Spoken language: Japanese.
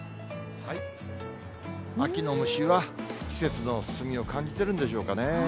秋の虫は、季節の進みを感じているんでしょうかね。